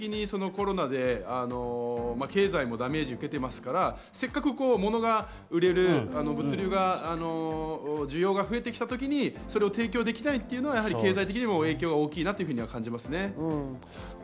なぜなら世界的にコロナで経済もダメージを受けていますから、せっかく物が売れる、物流が、需要が増えてきたときにそれを提供できないというのは経済的にも影響は大きいなと感じますね。